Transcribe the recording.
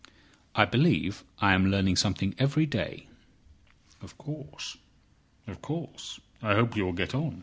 "I believe I am learning something every day." "Of course, of course. I hope you will get on."